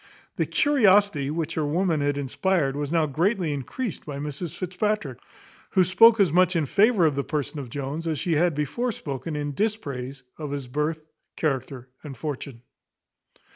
The curiosity which her woman had inspired was now greatly increased by Mrs Fitzpatrick, who spoke as much in favour of the person of Jones as she had before spoken in dispraise of his birth, character, and fortune.